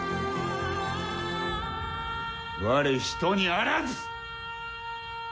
われ、人にあらず。